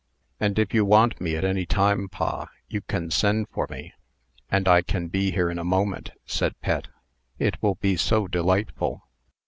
"And if you want me at any time, pa, you can send for me, and I can be here in a moment," said Pet. "It will be so delightful!"